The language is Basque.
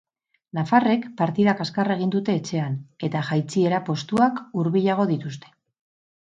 Nafarrek partida kaskarra egin dute etxean, eta jaitsiera postuak hubilago dituzte.